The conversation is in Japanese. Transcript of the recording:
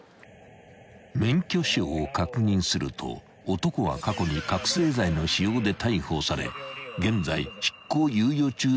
［免許証を確認すると男は過去に覚醒剤の使用で逮捕され現在執行猶予中だということが判明］